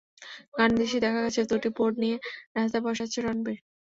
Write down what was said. গানের দৃশ্যে দেখা গেছে, দুটি বোর্ড নিয়ে রাস্তায় বসে আছেন রণবীর।